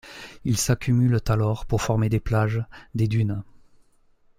Ils s'accumulent alors pour former des plages, des dunes.